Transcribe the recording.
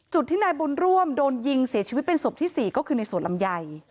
จุดที่นายบุญร่วมโดนยิงเสียชีวิตเป็นศพที่๔ก็คือในสวนลำไย